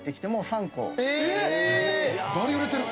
バリ売れてる。